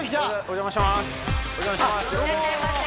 お邪魔します